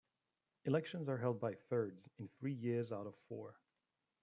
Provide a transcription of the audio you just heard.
Elections are held by thirds, in three years out of four.